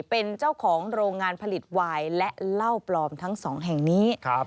เป็นเจ้าของโรงงานผลิตวายและเหล้าปลอมทั้งสองแห่งนี้